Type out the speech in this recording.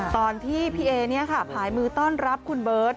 ตอนที่พี่เอผายมือต้อนรับคุณเบิร์ต